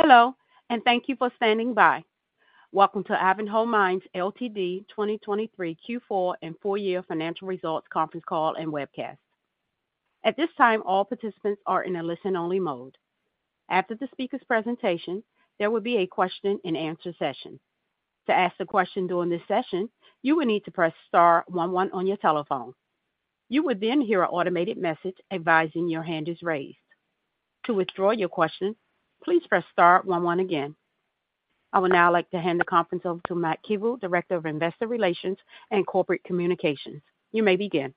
Hello, and thank you for standing by. Welcome to Ivanhoe Mines Ltd. 2023 Q4 and Full-Year Financial Results Conference Call and Webcast. At this time, all participants are in a listen-only mode. After the speaker's presentation, there will be a question-and-answer session. To ask a question during this session, you will need to press Star 11 on your telephone. You will then hear an automated message advising your hand is raised. To withdraw your question, please press Star 11 again. I would now like to hand the conference over to Matt Keevil, Director of Investor Relations and Corporate Communications. You may begin.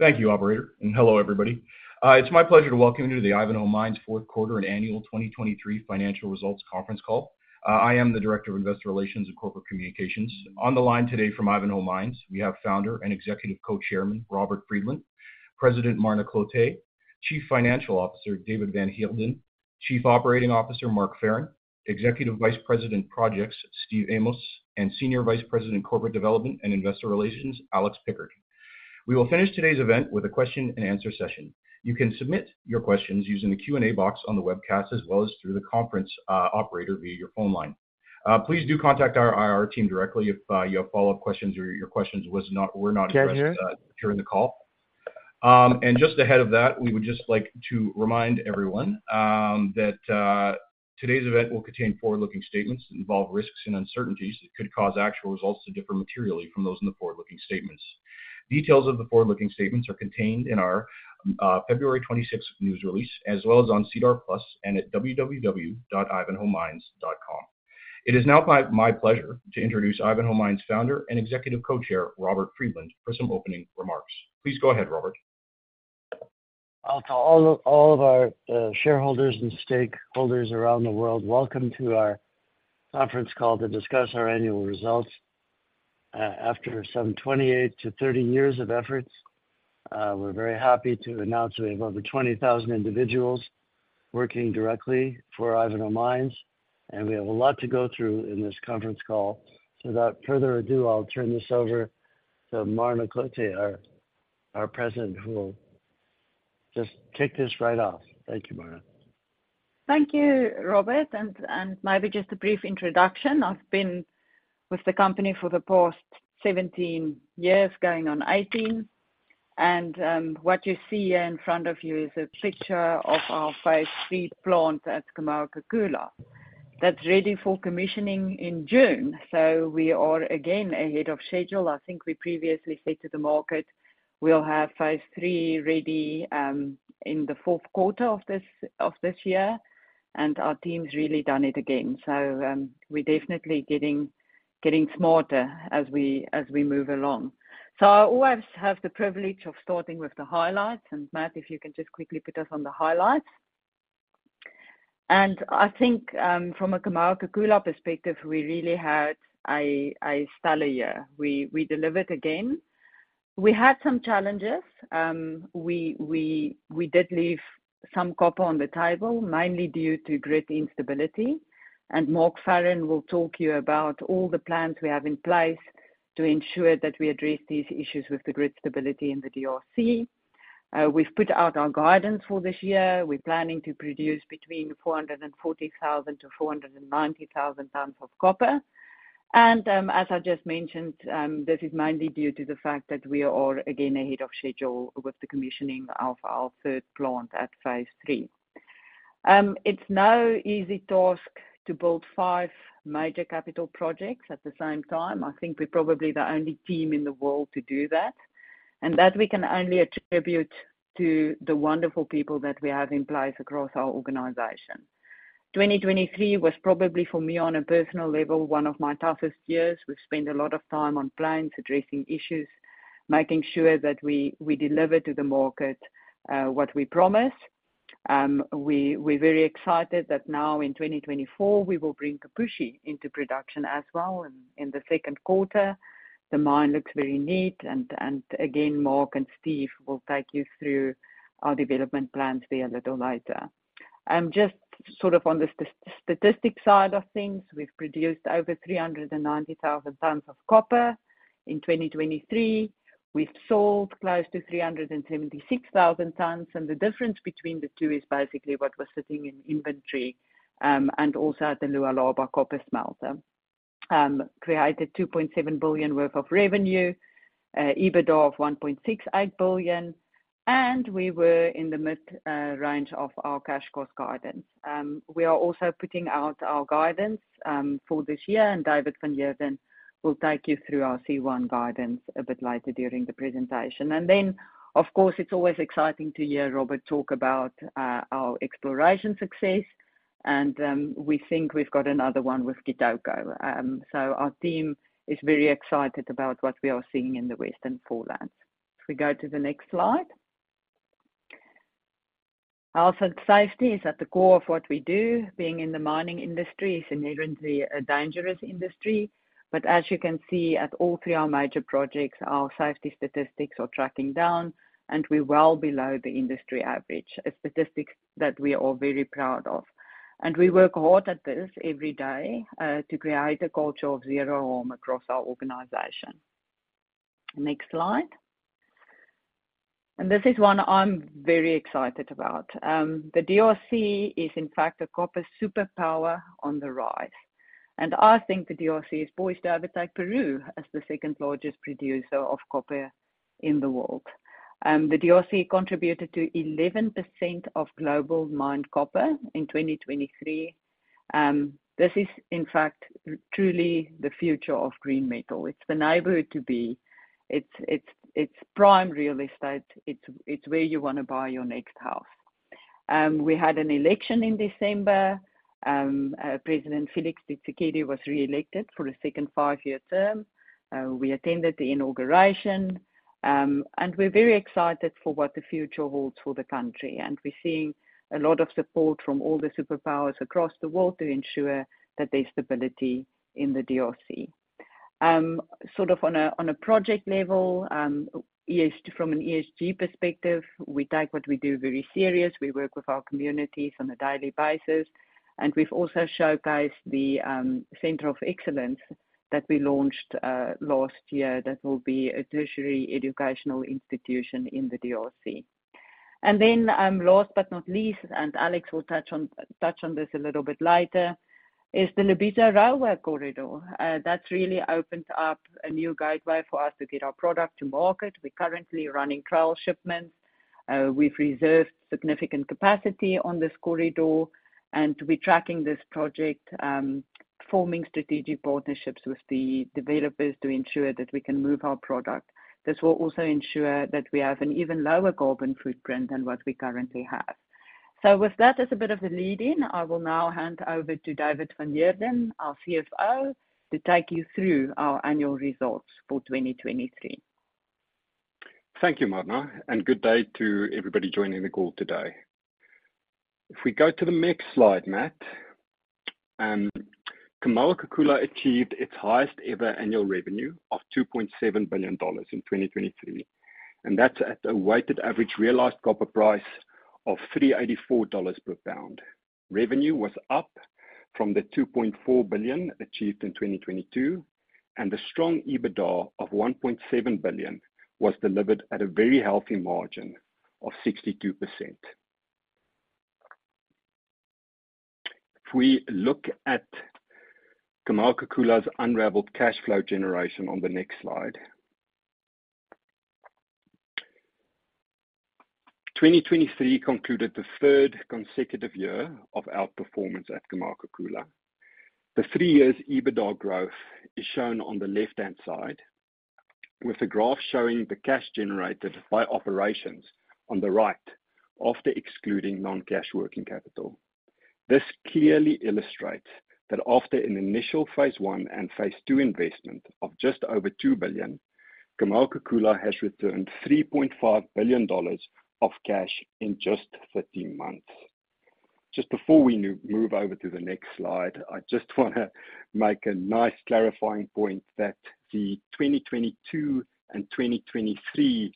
Thank you, Operator, and hello, everybody. It's my pleasure to welcome you to the Ivanhoe Mines fourth quarter and annual 2023 Financial Results Conference Call. I am the Director of Investor Relations and Corporate Communications. On the line today from Ivanhoe Mines, we have Founder and Executive Co-Chairman Robert Friedland, President Marna Cloete, Chief Financial Officer David van Heerden, Chief Operating Officer Mark Farren, Executive Vice President Projects Steve Amos, and Senior Vice President Corporate Development and Investor Relations Alex Pickard. We will finish today's event with a question-and-answer session. You can submit your questions using the Q&A box on the webcast as well as through the conference operator via your phone line. Please do contact our IR team directly if you have follow-up questions or your questions were not addressed during the call. Just ahead of that, we would just like to remind everyone that today's event will contain forward-looking statements that involve risks and uncertainties that could cause actual results to differ materially from those in the forward-looking statements. Details of the forward-looking statements are contained in our February 26th news release as well as on SEDAR+ and at www.ivanhoemines.com. It is now my pleasure to introduce Ivanhoe Mines Founder and Executive Co-Chair Robert Friedland for some opening remarks. Please go ahead, Robert. I'll tell all of our shareholders and stakeholders around the world, welcome to our conference call to discuss our annual results. After some 28-30 years of efforts, we're very happy to announce we have over 20,000 individuals working directly for Ivanhoe Mines, and we have a lot to go through in this conference call. Without further ado, I'll turn this over to Marna Cloete, our President, who will just kick this right off. Thank you, Marna. Thank you, Robert. Maybe just a brief introduction. I've been with the company for the past 17 years, going on 18. What you see here in front of you is a picture of our Phase 3 plant at Kamoa-Kakula that's ready for commissioning in June. We are again ahead of schedule. I think we previously said to the market we'll have Phase 3 ready in the fourth quarter of this year, and our team's really done it again. We're definitely getting smarter as we move along. I always have the privilege of starting with the highlights. Matt, if you can just quickly put us on the highlights. I think from a Kamoa-Kakula perspective, we really had a stellar year. We delivered again. We had some challenges. We did leave some copper on the table, mainly due to grid instability. Mark Farren will talk to you about all the plans we have in place to ensure that we address these issues with the grid stability in the DRC. We've put out our guidance for this year. We're planning to produce between 440,000-490,000 tons of copper. As I just mentioned, this is mainly due to the fact that we are again ahead of schedule with the commissioning of our third plant at Phase 3. It's no easy task to build five major capital projects at the same time. I think we're probably the only team in the world to do that, and that we can only attribute to the wonderful people that we have in place across our organization. 2023 was probably, for me on a personal level, one of my toughest years. We've spent a lot of time on plans, addressing issues, making sure that we deliver to the market what we promise. We're very excited that now in 2024, we will bring Kipushi into production as well. In the second quarter, the mine looks very neat. Again, Mark and Steve will take you through our development plans here a little later. Just sort of on the statistic side of things, we've produced over 390,000 tons of copper in 2023. We've sold close to 376,000 tons. The difference between the two is basically what was sitting in inventory and also at the Lualaba Copper Smelter. Created $2.7 billion worth of revenue, EBITDA of $1.68 billion. We were in the mid-range of our cash cost guidance. We are also putting out our guidance for this year. David van Heerden will take you through our C1 guidance a bit later during the presentation. Then, of course, it's always exciting to hear Robert talk about our exploration success. And we think we've got another one with Kitoko. So our team is very excited about what we are seeing in the Western Foreland. If we go to the next slide. I'll say safety is at the core of what we do, being in the mining industry. It's inherently a dangerous industry. But as you can see, at all three our major projects, our safety statistics are tracking down, and we're well below the industry average, a statistic that we are very proud of. And we work hard at this every day to create a culture of zero harm across our organization. Next slide. And this is one I'm very excited about. The DRC is, in fact, a copper superpower on the rise. I think the DRC is poised to overtake Peru as the second-largest producer of copper in the world. The DRC contributed to 11% of global mined copper in 2023. This is, in fact, truly the future of green metal. It's the neighborhood to be. It's prime real estate. It's where you want to buy your next house. We had an election in December. President Félix Tshisekedi was reelected for a second five-year term. We attended the inauguration. We're very excited for what the future holds for the country. We're seeing a lot of support from all the superpowers across the world to ensure that there's stability in the DRC. Sort of on a project level, from an ESG perspective, we take what we do very serious. We work with our communities on a daily basis. And we've also showcased the Center of Excellence that we launched last year that will be a tertiary educational institution in the DRC. And then last but not least, and Alex will touch on this a little bit later, is the Lobito Atlantic Railway Corridor. That's really opened up a new gateway for us to get our product to market. We're currently running trial shipments. We've reserved significant capacity on this corridor. And we're tracking this project, forming strategic partnerships with the developers to ensure that we can move our product. This will also ensure that we have an even lower carbon footprint than what we currently have. So with that as a bit of the lead-in, I will now hand over to David van Heerden, our CFO, to take you through our annual results for 2023. Thank you, Marna. Good day to everybody joining the call today. If we go to the next slide, Matt, Kamoa-Kakula achieved its highest-ever annual revenue of $2.7 billion in 2023. That's at a weighted average realized copper price of $384 per pound. Revenue was up from the $2.4 billion achieved in 2022. The strong EBITDA of $1.7 billion was delivered at a very healthy margin of 62%. If we look at Kamoa-Kakula's unrivaled cash flow generation on the next slide, 2023 concluded the third consecutive year of outperformance at Kamoa-Kakula. The three years' EBITDA growth is shown on the left-hand side, with a graph showing the cash generated by operations on the right after excluding non-cash working capital. This clearly illustrates that after an initial Phase 1 and Phase 2 investment of just over $2 billion, Kamoa-Kakula has returned $3.5 billion of cash in just 13 months. Just before we move over to the next slide, I just want to make a nice clarifying point that the 2022 and 2023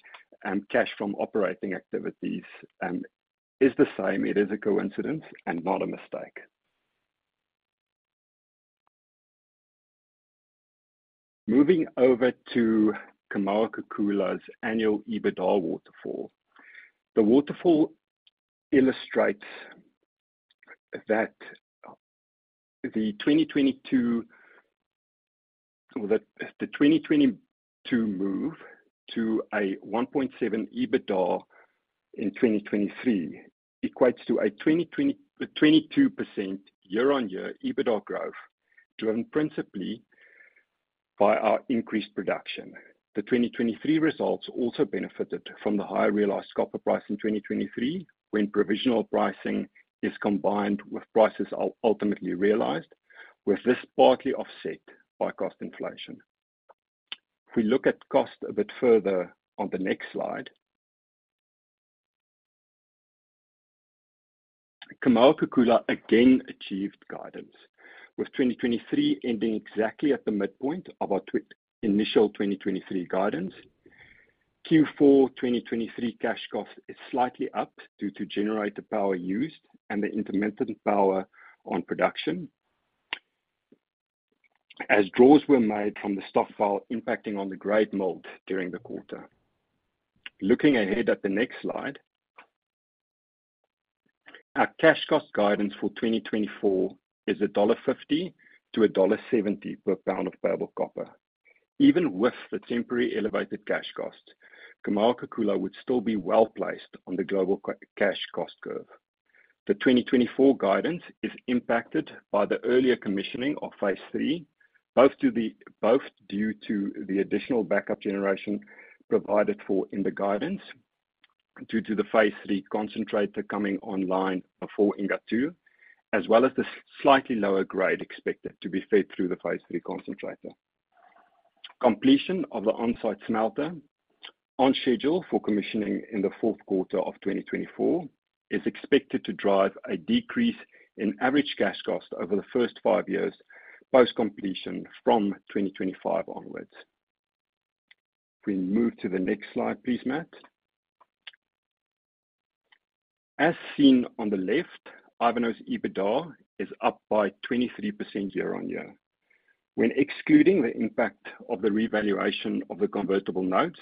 cash from operating activities is the same. It is a coincidence and not a mistake. Moving over to Kamoa-Kakula's annual EBITDA waterfall, the waterfall illustrates that the 2022 move to a 1.7 EBITDA in 2023 equates to a 22% year-on-year EBITDA growth driven principally by our increased production. The 2023 results also benefited from the higher realized copper price in 2023 when provisional pricing is combined with prices ultimately realized, with this partly offset by cost inflation. If we look at cost a bit further on the next slide, Kamoa-Kakula again achieved guidance, with 2023 ending exactly at the midpoint of our initial 2023 guidance. Q4 2023 cash cost is slightly up due to generator power used and the intermittent power on production as draws were made from the stockpile impacting on the grade milled during the quarter. Looking ahead at the next slide, our cash cost guidance for 2024 is $1.50-$1.70 per pound of payable copper. Even with the temporary elevated cash costs, Kamoa-Kakula would still be well-placed on the global cash cost curve. The 2024 guidance is impacted by the earlier commissioning of Phase 3, both due to the additional backup generation provided for in the guidance due to the Phase 3 concentrator coming online before Inga II as well as the slightly lower grade expected to be fed through the Phase 3 concentrator. Completion of the on-site smelter on schedule for commissioning in the fourth quarter of 2024 is expected to drive a decrease in average cash cost over the first five years post-completion from 2025 onwards. If we move to the next slide, please, Matt. As seen on the left, Ivanhoe's EBITDA is up by 23% year-on-year. When excluding the impact of the revaluation of the convertible notes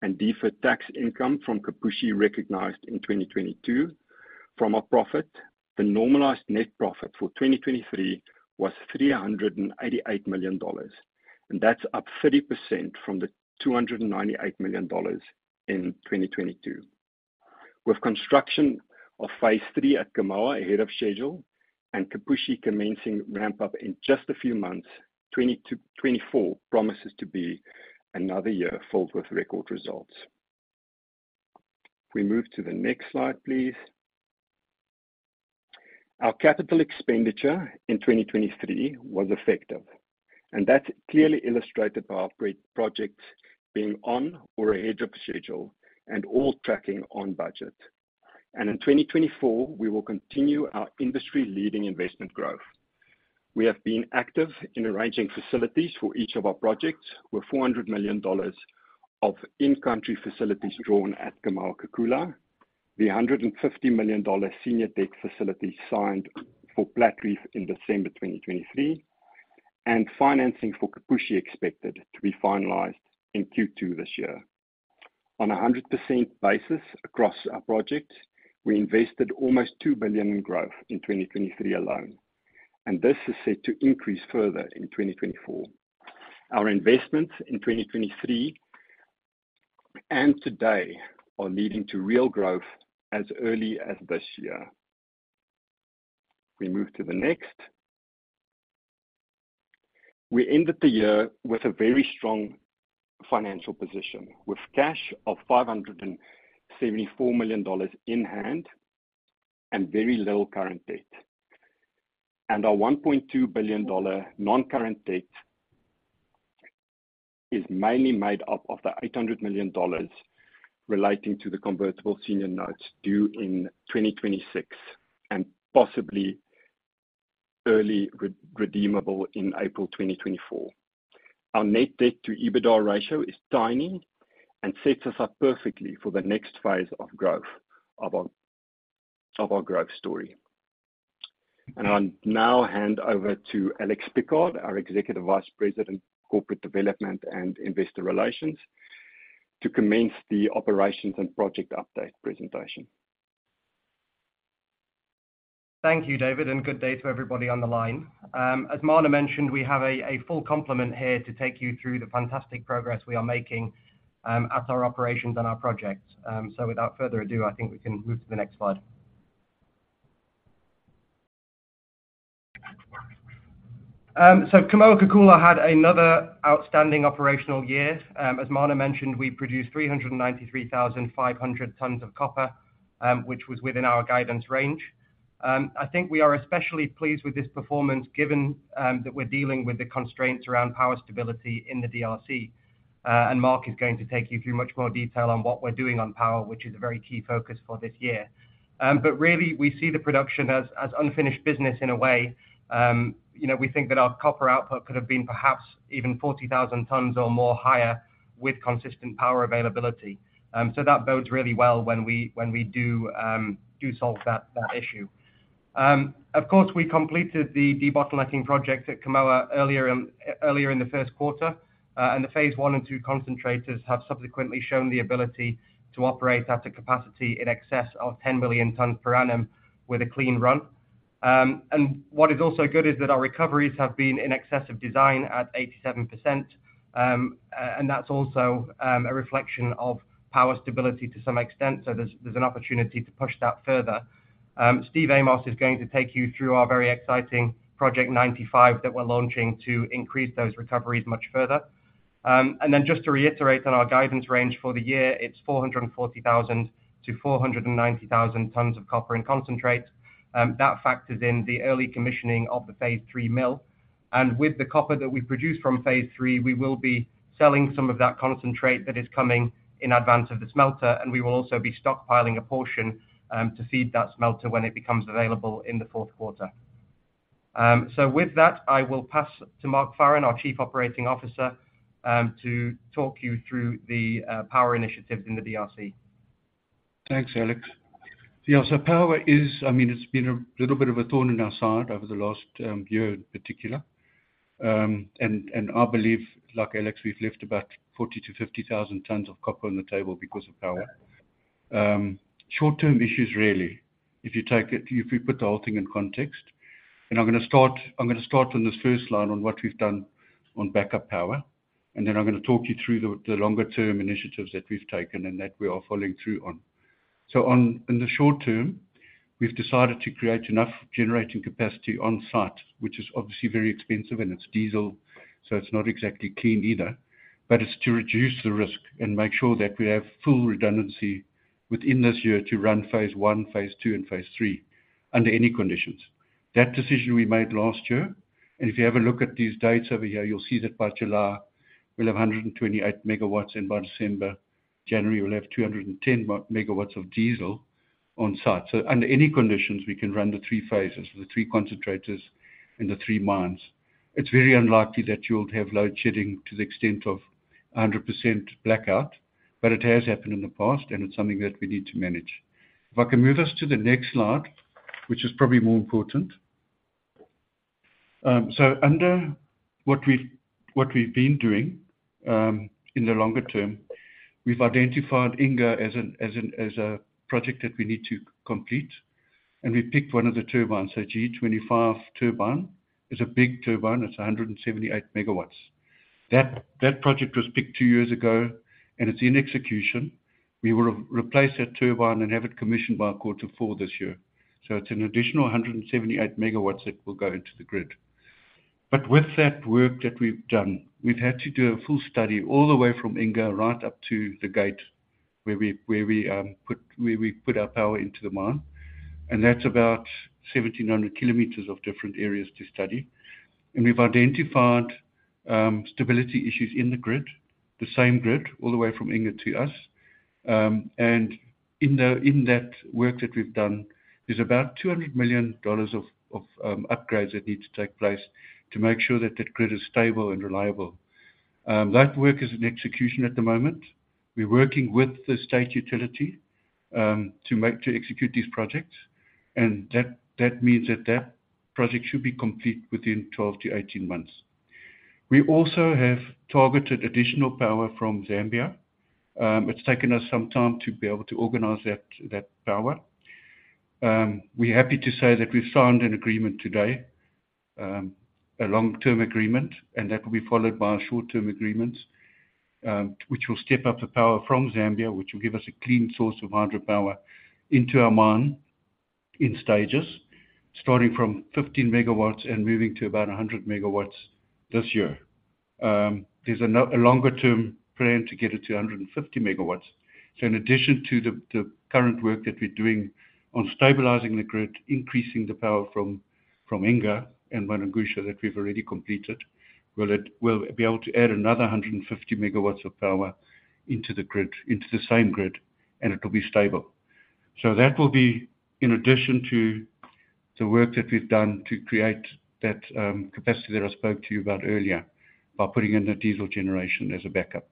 and deferred tax income from Kipushi recognized in 2022 from our profit, the normalized net profit for 2023 was $388 million. That's up 30% from the $298 million in 2022. With construction of Phase 3 at Kamoa ahead of schedule and Kipushi commencing ramp-up in just a few months, 2024 promises to be another year filled with record results. If we move to the next slide, please. Our capital expenditure in 2023 was effective. That's clearly illustrated by our projects being on or ahead of schedule and all tracking on budget. In 2024, we will continue our industry-leading investment growth. We have been active in arranging facilities for each of our projects with $400 million of in-country facilities drawn at Kamoa-Kakula, the $150 million senior tech facility signed for Platreef in December 2023, and financing for Kipushi expected to be finalized in Q2 this year. On a 100% basis across our projects, we invested almost $2 billion in growth in 2023 alone. This is set to increase further in 2024. Our investments in 2023 and today are leading to real growth as early as this year. If we move to the next. We ended the year with a very strong financial position with cash of $574 million in hand and very little current debt. Our $1.2 billion non-current debt is mainly made up of the $800 million relating to the convertible senior notes due in 2026 and possibly early redeemable in April 2024. Our net debt-to-EBITDA ratio is tiny and sets us up perfectly for the next phase of growth of our growth story. I'll now hand over to Alex Pickard, our Executive Vice President, Corporate Development and Investor Relations, to commence the Operations and Project Update presentation. Thank you, David. Good day to everybody on the line. As Marna mentioned, we have a full complement here to take you through the fantastic progress we are making at our operations and our projects. Without further ado, I think we can move to the next slide. Kamoa-Kakula had another outstanding operational year. As Marna mentioned, we produced 393,500 tons of copper, which was within our guidance range. I think we are especially pleased with this performance given that we're dealing with the constraints around power stability in the DRC. Mark is going to take you through much more detail on what we're doing on power, which is a very key focus for this year. Really, we see the production as unfinished business in a way. We think that our copper output could have been perhaps even 40,000 tons or more higher with consistent power availability. That bodes really well when we do solve that issue. Of course, we completed the debottlenecking project at Kamoa earlier in the first quarter. The Phase 1 and 2 concentrators have subsequently shown the ability to operate at a capacity in excess of 10 million tons per annum with a clean run. What is also good is that our recoveries have been in excess of design at 87%. That's also a reflection of power stability to some extent. There's an opportunity to push that further. Steve Amos is going to take you through our very exciting Project 95 that we're launching to increase those recoveries much further. Then just to reiterate on our guidance range for the year, it's 440,000-490,000 tons of copper in concentrate. That factors in the early commissioning of the Phase 3 mill. With the copper that we produce from Phase 3, we will be selling some of that concentrate that is coming in advance of the smelter. We will also be stockpiling a portion to feed that smelter when it becomes available in the fourth quarter. With that, I will pass to Mark Farren, our Chief Operating Officer, to talk you through the power initiatives in the DRC. Thanks, Alex. Yeah, so power is—I mean, it's been a little bit of a thorn in our side over the last year in particular. And I believe, like Alex, we've left about 40,000-50,000 tons of copper on the table because of power. Short-term issues, rarely, if you take it, if we put the whole thing in context. And I'm going to start on this first line on what we've done on backup power. And then I'm going to talk you through the longer-term initiatives that we've taken and that we are following through on. So in the short term, we've decided to create enough generating capacity on site, which is obviously very expensive. And it's diesel. So it's not exactly clean either. But it's to reduce the risk and make sure that we have full redundancy within this year to run Phase 1, Phase 2, and Phase 3 under any conditions. That decision we made last year. And if you have a look at these dates over here, you'll see that by July, we'll have 128 megawatts. And by December, January, we'll have 210 megawatts of diesel on site. So under any conditions, we can run the three phases, the three concentrators, and the three mines. It's very unlikely that you'll have load shedding to the extent of 100% blackout. But it has happened in the past. And it's something that we need to manage. If I can move us to the next slide, which is probably more important. So under what we've been doing in the longer term, we've identified Inga as a project that we need to complete. We picked one of the turbines. G25 turbine is a big turbine. It's 178 MW. That project was picked two years ago. It's in execution. We will replace that turbine and have it commissioned by quarter four this year. It's an additional 178 MW that will go into the grid. With that work that we've done, we've had to do a full study all the way from Inga right up to the gate where we put our power into the mine. That's about 1,700 km of different areas to study. We've identified stability issues in the grid, the same grid, all the way from Inga to us. In that work that we've done, there's about $200 million of upgrades that need to take place to make sure that that grid is stable and reliable. That work is in execution at the moment. We're working with the state utility to execute these projects. That means that project should be complete within 12-18 months. We also have targeted additional power from Zambia. It's taken us some time to be able to organize that power. We're happy to say that we've signed an agreement today, a long-term agreement. That will be followed by our short-term agreements, which will step up the power from Zambia, which will give us a clean source of hydropower into our mine in stages, starting from 15 MW and moving to about 100 MW this year. There's a longer-term plan to get it to 150 MW. In addition to the current work that we're doing on stabilizing the grid, increasing the power from Inga and Mwadingusha that we've already completed, we'll be able to add another 150 MW of power into the grid, into the same grid. It will be stable. That will be in addition to the work that we've done to create that capacity that I spoke to you about earlier by putting in the diesel generation as a backup.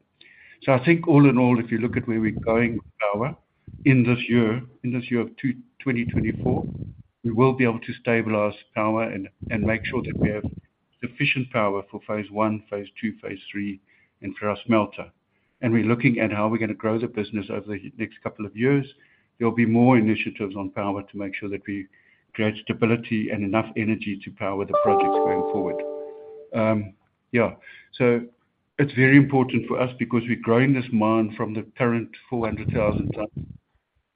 I think all in all, if you look at where we're going with power in this year, in this year of 2024, we will be able to stabilize power and make sure that we have sufficient power for Phase 1, Phase 2, Phase 3, and for our smelter. We're looking at how we're going to grow the business over the next couple of years. There will be more initiatives on power to make sure that we create stability and enough energy to power the projects going forward. Yeah. So it's very important for us because we're growing this mine from the current 400,000 tons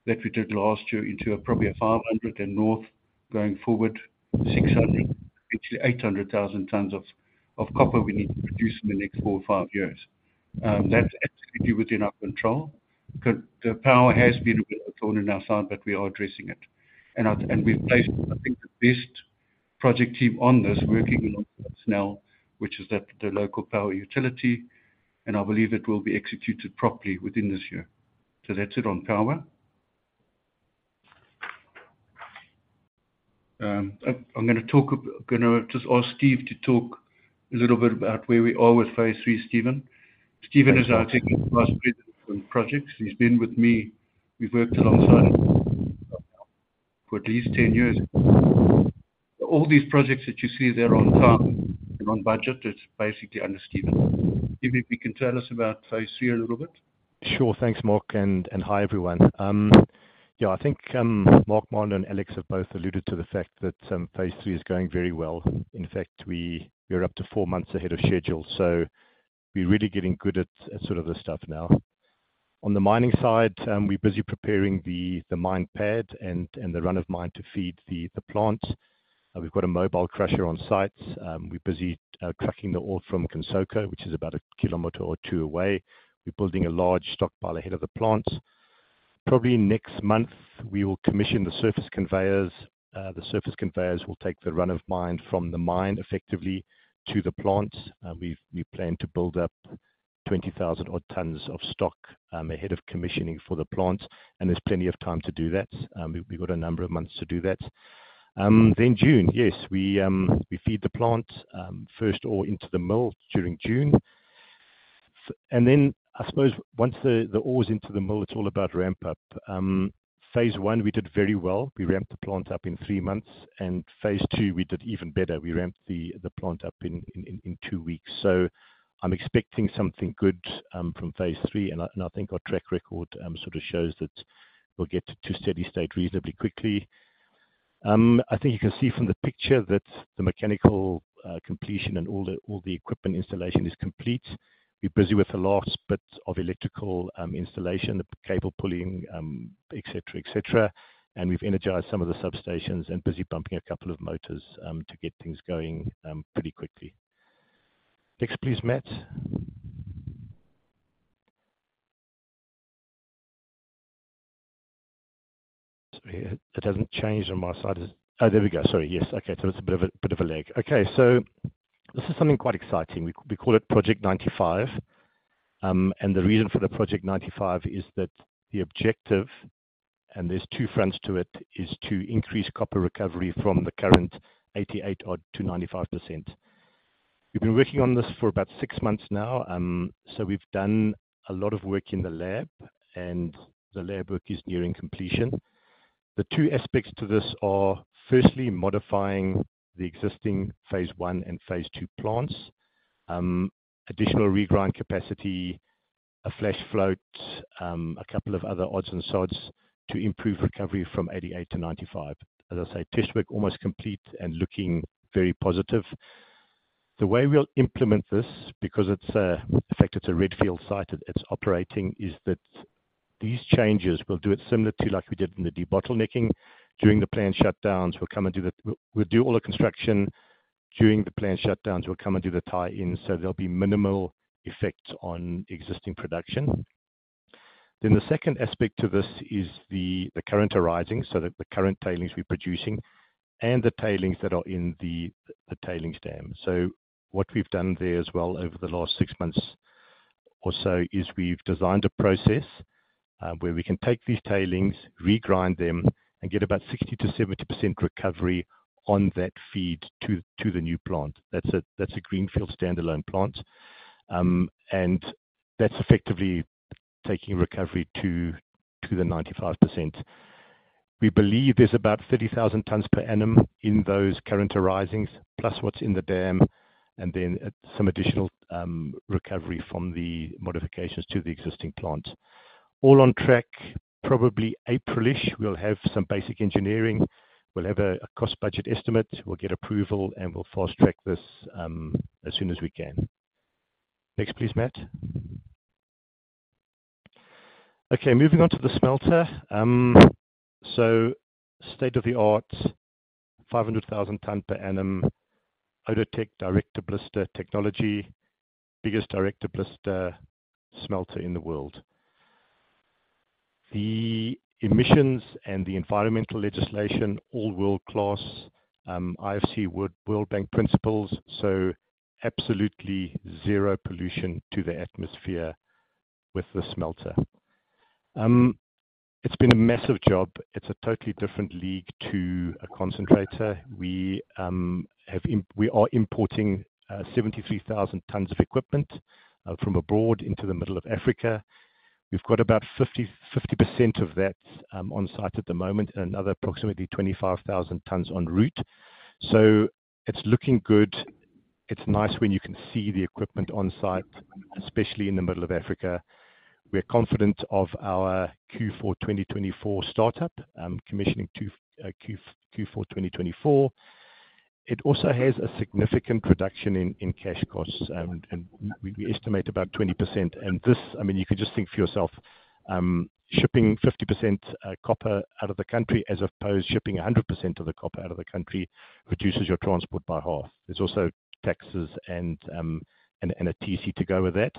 that we did last year into probably 500, and north going forward, 600, potentially 800,000 tons of copper we need to produce in the next four or five years. That's absolutely within our control. The power has been a bit of a thorn in our side, but we are addressing it. And we've placed, I think, the best project team on this, working alongside SNEL, which is the local power utility. And I believe it will be executed properly within this year. So that's it on power. I'm going to just ask Steve to talk a little bit about where we are with Phase 3, Steven. Steve is our Executive Vice President of Projects. He's been with me. We've worked alongside him for at least 10 years. All these projects that you see that are on time and on budget, it's basically under Steve. Steve, if you can tell us about Phase 3 a little bit. Sure. Thanks, Mark. And hi, everyone. Yeah, I think Mark, Marna, and Alex have both alluded to the fact that Phase 3 is going very well. In fact, we are up to 4 months ahead of schedule. So we're really getting good at sort of this stuff now. On the mining side, we're busy preparing the mine pad and the run of mine to feed the plant. We've got a mobile crusher on sites. We're busy trucking it all from Kansoko, which is about a kilometer or two away. We're building a large stockpile ahead of the plants. Probably next month, we will commission the surface conveyors. The surface conveyors will take the run of mine from the mine effectively to the plants. We plan to build up 20,000-odd tons of stock ahead of commissioning for the plants. And there's plenty of time to do that. We've got a number of months to do that. Then June, yes, we feed the plants first all into the mill during June. And then, I suppose, once the all is into the mill, it's all about ramp-up. Phase 1, we did very well. We ramped the plants up in 3 months. Phase 2, we did even better. We ramped the plant up in 2 weeks. So I'm expecting something good from Phase 3. I think our track record sort of shows that we'll get to steady state reasonably quickly. I think you can see from the picture that the mechanical completion and all the equipment installation is complete. We're busy with the last bit of electrical installation, the cable pulling, etc., etc. We've energized some of the substations and busy pumping a couple of motors to get things going pretty quickly. Next, please, Matt. Sorry. It hasn't changed on my side. Oh, there we go. Sorry. Yes. Okay. So it's a bit of a lag. Okay. So this is something quite exciting. We call it Project 95. And the reason for the Project 95 is that the objective, and there's 2 fronts to it, is to increase copper recovery from the current 88-odd to 95%. We've been working on this for about 6 months now. So we've done a lot of work in the lab. And the lab work is nearing completion. The 2 aspects to this are, firstly, modifying the existing Phase 1 and Phase 2 plants, additional regrind capacity, a Flash Float, a couple of other odds and sods to improve recovery from 88 to 95. As I say, test work almost complete and looking very positive. The way we'll implement this, because in fact, it's a brownfield site that's operating, is that these changes will do it similar to like we did in the debottlenecking during the planned shutdowns. We'll come and do all the construction during the planned shutdowns. We'll come and do the tie-in. So there'll be minimal effect on existing production. Then the second aspect to this is the current arising, so the current tailings we're producing, and the tailings that are in the tailings dam. So what we've done there as well over the last six months or so is we've designed a process where we can take these tailings, regrind them, and get about 60%-70% recovery on that feed to the new plant. That's a greenfield standalone plant. And that's effectively taking recovery to the 95%. We believe there's about 30,000 tons per annum in those current arisings, plus what's in the dam, and then some additional recovery from the modifications to the existing plants. All on track. Probably April-ish, we'll have some basic engineering. We'll have a cost-budget estimate. We'll get approval. And we'll fast-track this as soon as we can. Next, please, Matt. Okay. Moving on to the smelter. So state-of-the-art, 500,000 ton per annum, Outotec direct-to-blister technology, biggest direct-to-blister smelter in the world. The emissions and the environmental legislation, all world-class, IFC, World Bank principles. So absolutely zero pollution to the atmosphere with the smelter. It's been a massive job. It's a totally different league to a concentrator. We are importing 73,000 tons of equipment from abroad into the middle of Africa. We've got about 50% of that on site at the moment and another approximately 25,000 tons en route. So it's looking good. It's nice when you can see the equipment on site, especially in the middle of Africa. We're confident of our Q4 2024 startup, commissioning Q4 2024. It also has a significant reduction in cash costs. And we estimate about 20%. And this, I mean, you could just think for yourself, shipping 50% copper out of the country as opposed to shipping 100% of the copper out of the country reduces your transport by half. There's also taxes and a TC to go with that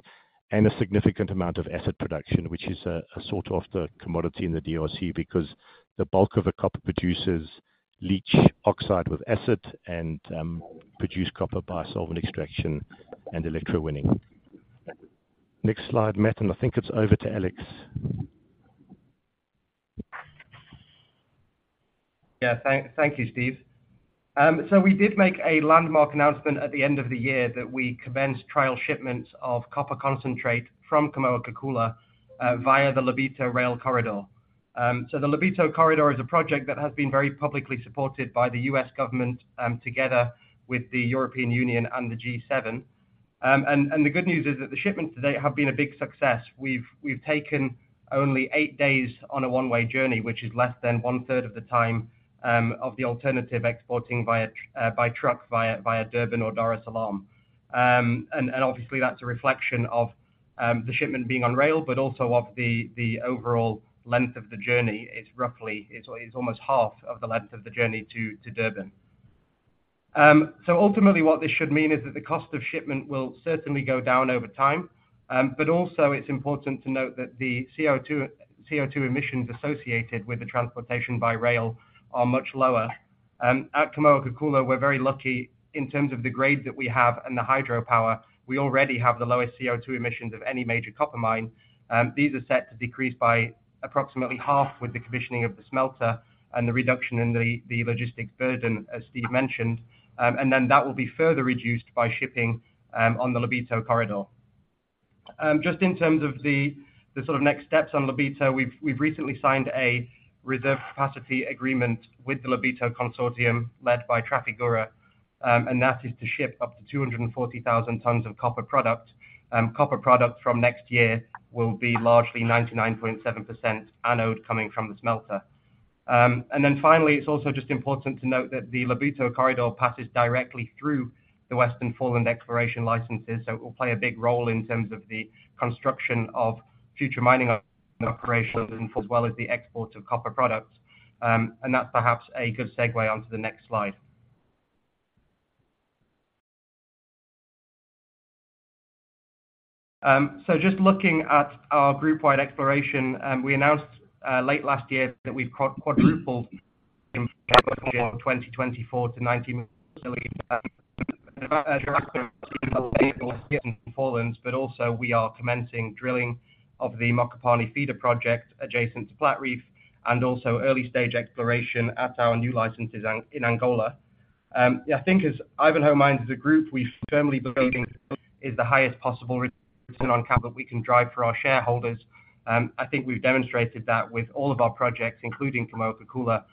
and a significant amount of asset production, which is a sort of the commodity in the DRC because the bulk of the copper producers leach oxide with acid and produce copper by solvent extraction and electrowinning. Next slide, Matt. And I think it's over to Alex. Yeah. Thank you, Steve. So we did make a landmark announcement at the end of the year that we commenced trial shipments of copper concentrate from Kamoa-Kakula via the Lobito Rail Corridor. So the Lobito Corridor is a project that has been very publicly supported by the U.S. government together with the European Union and the G7. And the good news is that the shipments to date have been a big success. We've taken only eight days on a one-way journey, which is less than one-third of the time of the alternative exporting by truck via Durban or Dar es Salaam. And obviously, that's a reflection of the shipment being on rail, but also of the overall length of the journey. It's almost half of the length of the journey to Durban. So ultimately, what this should mean is that the cost of shipment will certainly go down over time. But also, it's important to note that the CO2 emissions associated with the transportation by rail are much lower. At Kamoa-Kakula, we're very lucky in terms of the grade that we have and the hydropower. We already have the lowest CO2 emissions of any major copper mine. These are set to decrease by approximately half with the commissioning of the smelter and the reduction in the logistics burden, as Steve mentioned. And then that will be further reduced by shipping on the Lobito Corridor. Just in terms of the sort of next steps on Lobito, we've recently signed a reserve capacity agreement with the Lobito Consortium led by Trafigura. And that is to ship up to 240,000 tons of copper product. Copper product from next year will be largely 99.7% anode coming from the smelter. Then finally, it's also just important to note that the Lobito Corridor passes directly through the Western Forelands exploration licenses. So it will play a big role in terms of the construction of future mining operations as well as the export of copper products. And that's perhaps a good segue onto the next slide. So just looking at our group-wide exploration, we announced late last year that we've quadrupled from 2024 to 19 million drilling in Forelands. But also, we are commencing drilling of the Mokopane Feeder Project adjacent to Platreef and also early-stage exploration at our new licenses in Angola. I think as Ivanhoe Mines is a group, we firmly believe in is the highest possible return on capital that we can drive for our shareholders. I think we've demonstrated that with all of our projects, including Kamoa-Kakula,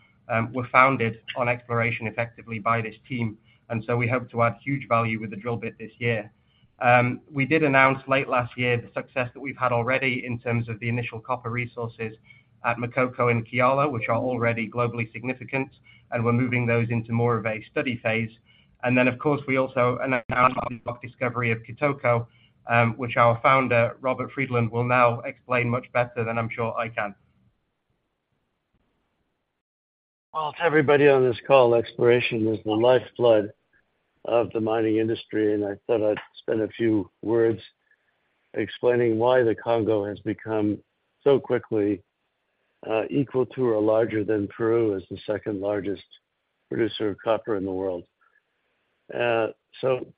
were founded on exploration effectively by this team. And so we hope to add huge value with the drill bit this year. We did announce late last year the success that we've had already in terms of the initial copper resources at Makoko and Kiala, which are already globally significant. And we're moving those into more of a study phase. And then, of course, we also announced our discovery of Kitoko, which our founder, Robert Friedland, will now explain much better than I'm sure I can. Well, to everybody on this call, exploration is the lifeblood of the mining industry. I thought I'd spend a few words explaining why the Congo has become so quickly equal to or larger than Peru as the second-largest producer of copper in the world.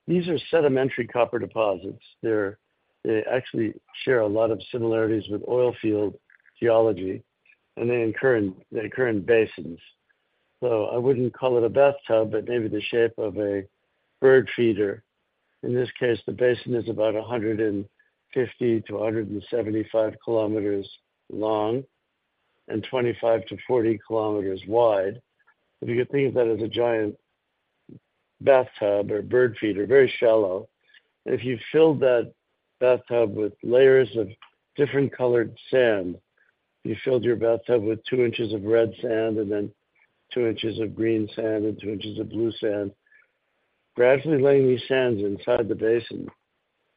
These are sedimentary copper deposits. They actually share a lot of similarities with oilfield geology. They occur in basins. I wouldn't call it a bathtub, but maybe the shape of a bird feeder. In this case, the basin is about 150-175 kilometers long and 25-40 kilometers wide. If you could think of that as a giant bathtub or bird feeder, very shallow. If you filled that bathtub with layers of different-colored sand, if you filled your bathtub with two inches of red sand and then two inches of green sand and two inches of blue sand, gradually laying these sands inside the basin,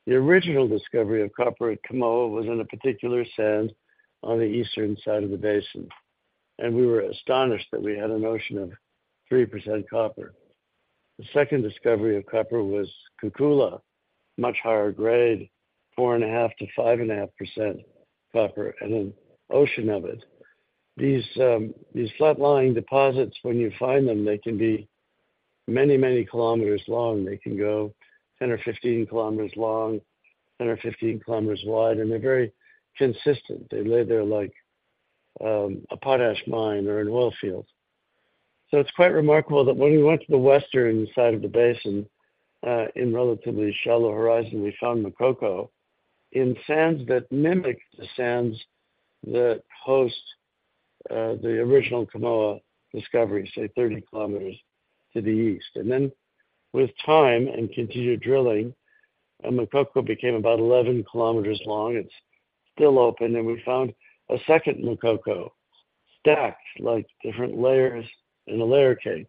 the original discovery of copper at Kamoa was in a particular sand on the eastern side of the basin. We were astonished that we had an ocean of 3% copper. The second discovery of copper was Kakula, much higher grade, 4.5%-5.5% copper, and an ocean of it. These flat-lying deposits, when you find them, they can be many, many kilometers long. They can go 10 or 15 kilometers long, 10 or 15 kilometers wide. They're very consistent. They lay there like a potash mine or an oilfield. So it's quite remarkable that when we went to the western side of the basin in relatively shallow horizon, we found Makoko in sands that mimic the sands that host the original Kamoa discovery, say, 30 kilometers to the east. And then with time and continued drilling, Makoko became about 11 kilometers long. It's still open. And we found a second Makoko stacked like different layers in a layer cake.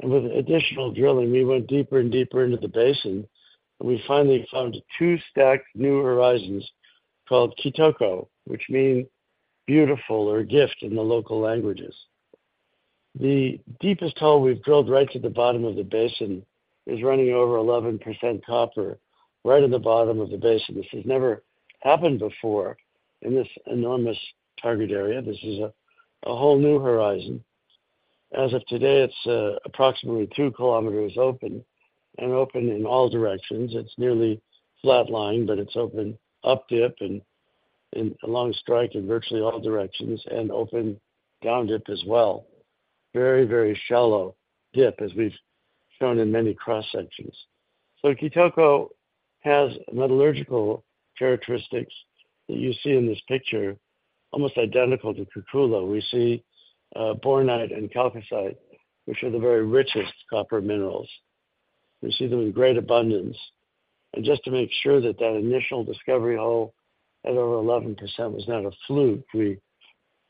And with additional drilling, we went deeper and deeper into the basin. And we finally found two stacked new horizons called Kitoko, which mean beautiful or gift in the local languages. The deepest hole we've drilled right to the bottom of the basin is running over 11% copper, right at the bottom of the basin. This has never happened before in this enormous target area. This is a whole new horizon. As of today, it's approximately 2 kilometers open and open in all directions. It's nearly flat-lying, but it's open up dip and along strike in virtually all directions and open down dip as well, very, very shallow dip, as we've shown in many cross-sections. So Kitoko has metallurgical characteristics that you see in this picture, almost identical to Kakula. We see bornite and chalcocite, which are the very richest copper minerals. We see them in great abundance. And just to make sure that that initial discovery hole at over 11% was not a fluke, we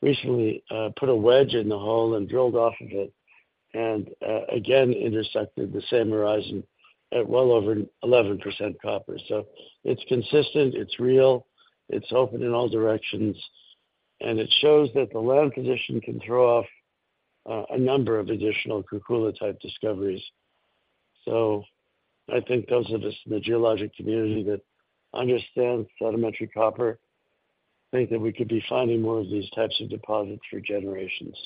recently put a wedge in the hole and drilled off of it and again intersected the same horizon at well over 11% copper. So it's consistent. It's real. It's open in all directions. And it shows that the land position can throw off a number of additional Kakula-type discoveries. I think those of us in the geologic community that understand sedimentary copper think that we could be finding more of these types of deposits for generations.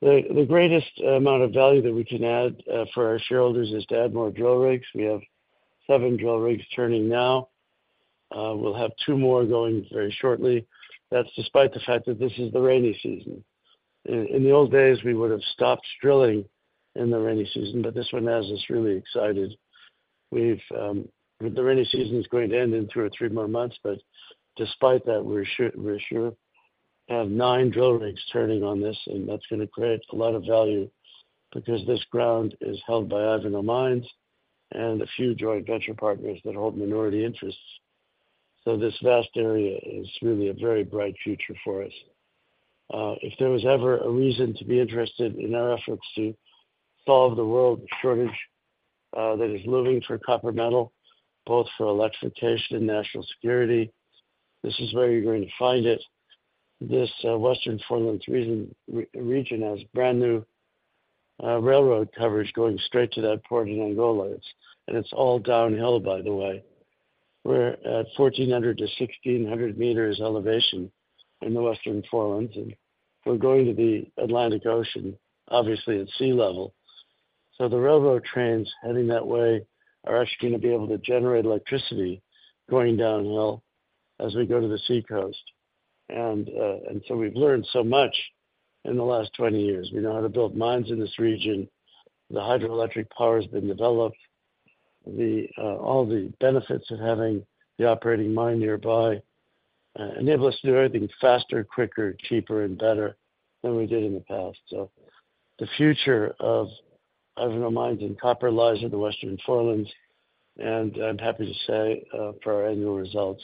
The greatest amount of value that we can add for our shareholders is to add more drill rigs. We have 7 drill rigs turning now. We'll have 2 more going very shortly. That's despite the fact that this is the rainy season. In the old days, we would have stopped drilling in the rainy season. But this one has us really excited. The rainy season is going to end in 2 or 3 more months. But despite that, we're sure to have 9 drill rigs turning on this. That's going to create a lot of value because this ground is held by Ivanhoe Mines and a few joint venture partners that hold minority interests. So this vast area is really a very bright future for us. If there was ever a reason to be interested in our efforts to solve the world shortage that is looming for copper metal, both for electrification and national security, this is where you're going to find it. This Western Forelands region has brand new railroad coverage going straight to that port in Angola. It's all downhill, by the way. We're at 1,400-1,600 meters elevation in the Western Forelands. We're going to the Atlantic Ocean, obviously, at sea level. The railroad trains heading that way are actually going to be able to generate electricity going downhill as we go to the seacoast. We've learned so much in the last 20 years. We know how to build mines in this region. The hydroelectric power has been developed. All the benefits of having the operating mine nearby enable us to do everything faster, quicker, cheaper, and better than we did in the past. So the future of Ivanhoe Mines and copper lies in the Western Forelands. And I'm happy to say, for our annual results,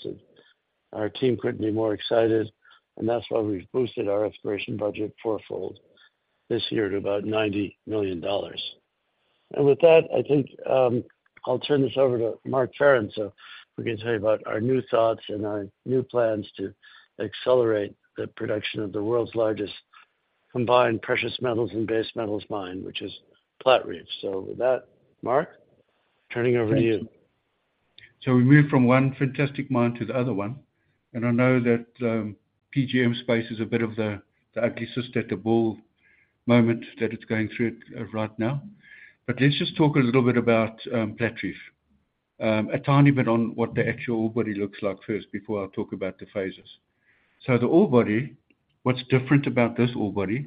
our team couldn't be more excited. And that's why we've boosted our exploration budget fourfold this year to about $90 million. And with that, I think I'll turn this over to Mark Farren, so we can tell you about our new thoughts and our new plans to accelerate the production of the world's largest combined precious metals and base metals mine, which is Platreef. So with that, Mark, turning over to you. So we moved from one fantastic mine to the other one. And I know that PGM space is a bit of the ugly sister to the bull market that it's going through right now. But let's just talk a little bit about Platreef, a tiny bit on what the actual ore body looks like first before I'll talk about the phases. So the ore body, what's different about this ore body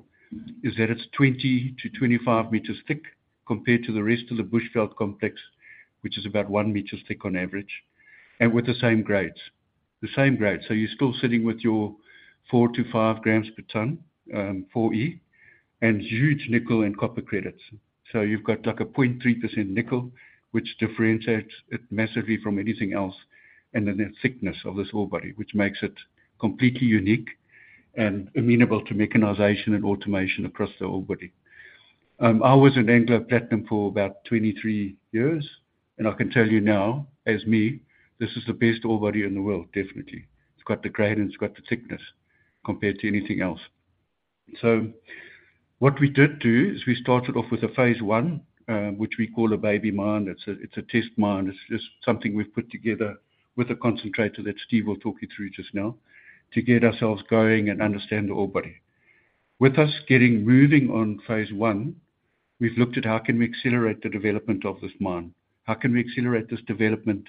is that it's 20-25 meters thick compared to the rest of the Bushveld Complex, which is about 1 meter thick on average and with the same grades, the same grades. So you're still sitting with your 4-5 grams per ton, 4E, and huge nickel and copper credits. So you've got like a 0.3% nickel, which differentiates it massively from anything else in the thickness of this ore body, which makes it completely unique and amenable to mechanization and automation across the ore body. I was in Anglo Platinum for about 23 years. I can tell you now, as me, this is the best ore body in the world, definitely. It's got the grade. And it's got the thickness compared to anything else. So what we did do is we started off with a phase one, which we call a baby mine. It's a test mine. It's just something we've put together with a concentrator that Steve will talk you through just now to get ourselves going and understand the ore body. With us getting moving on phase one, we've looked at how can we accelerate the development of this mine? How can we accelerate this development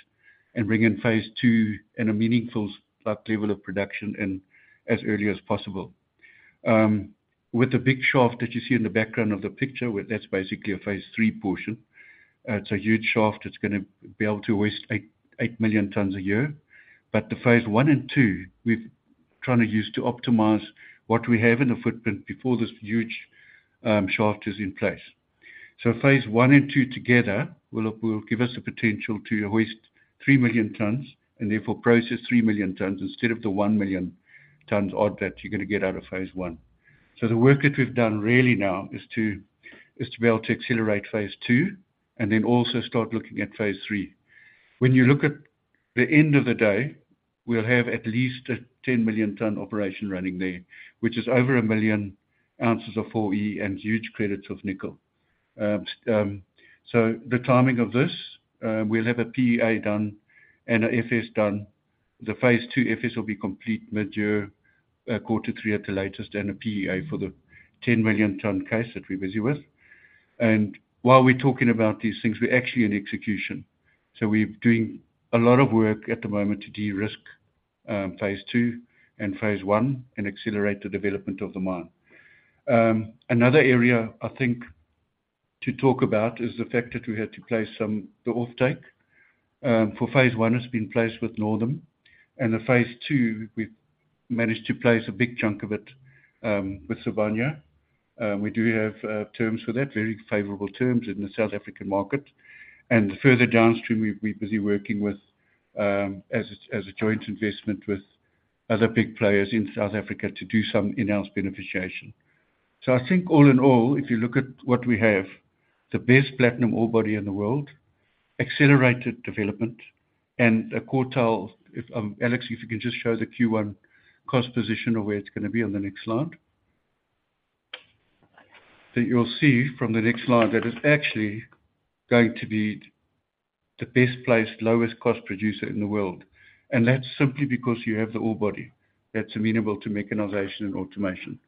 and bring in phase two and a meaningful level of production as early as possible? With the big shaft that you see in the background of the picture, that's basically a phase three portion. It's a huge shaft. It's going to be able to hoist 8 million tons a year. The phase one and two, we've tried to use to optimize what we have in the footprint before this huge shaft is in place. Phase one and two together will give us the potential to hoist 3 million tons and therefore process 3 million tons instead of the 1 million tons odd that you're going to get out of phase one. The work that we've done really now is to be able to accelerate phase two and then also start looking at phase three. When you look at the end of the day, we'll have at least a 10 million ton operation running there, which is over 1 million ounces of 4E and huge credits of nickel. So the timing of this, we'll have a PEA done and an FS done. The phase two FS will be complete mid-year, quarter three at the latest, and a PEA for the 10 million ton case that we're busy with. And while we're talking about these things, we're actually in execution. So we're doing a lot of work at the moment to de-risk phase two and phase one and accelerate the development of the mine. Another area, I think, to talk about is the fact that we had to place some of the offtake. For phase one, it's been placed with Northam. And the phase two, we've managed to place a big chunk of it with Sibanye. We do have terms for that, very favorable terms in the South African market. Further downstream, we'll be busy working as a joint investment with other big players in South Africa to do some in-house beneficiation. So I think all in all, if you look at what we have, the best platinum ore body in the world, accelerated development, and first quartile, Alex, if you can just show the Q1 cost position or where it's going to be on the next slide. You'll see from the next slide that it is actually going to be the best placed, lowest cost producer in the world. That's simply because you have the ore body that's amenable to mechanization and automation.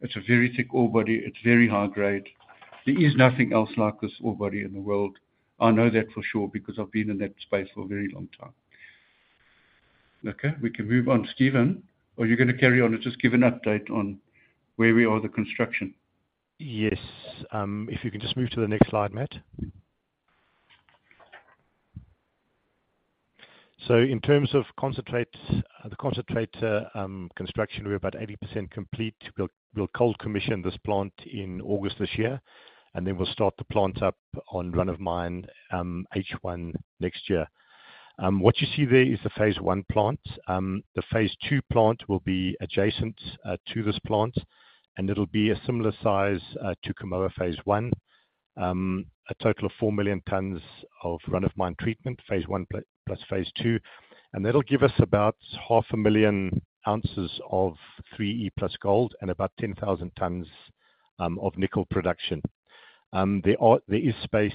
It's a very thick ore body. It's very high grade. There is nothing else like this ore body in the world. I know that for sure because I've been in that space for a very long time. Okay. We can move on. Steven, are you going to carry on? Just give an update on where we are with the construction. Yes. If you can just move to the next slide, Matt. So in terms of the concentrator construction, we're about 80% complete. We'll cold commission this plant in August this year. And then we'll start the plants up on run of mine H1 next year. What you see there is the phase one plant. The phase two plant will be adjacent to this plant. And it'll be a similar size to Kamoa phase one, a total of 4 million tons of run of mine treatment, phase one plus phase two. And that'll give us about half a million ounces of 3E plus gold and about 10,000 tons of nickel production. There is space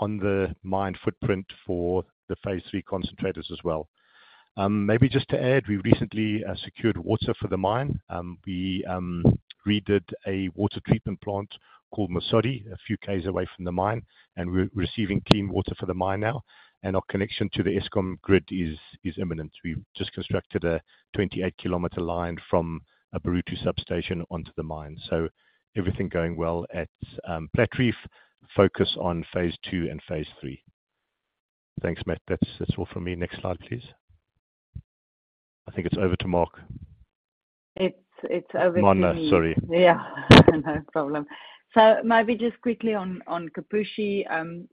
on the mine footprint for the phase three concentrators as well. Maybe just to add, we've recently secured water for the mine. We redid a water treatment plant called Masodi a few km away from the mine. And we're receiving clean water for the mine now. And our connection to the Eskom grid is imminent. We've just constructed a 28-kilometer line from a Borutho substation onto the mine. So everything going well at Platreef. Focus on phase two and phase three. Thanks, Matt. That's all from me. Next slide, please. I think it's over to Mark. It's over to me. Marna, sorry. Yeah. No problem. So maybe just quickly on Kipushi.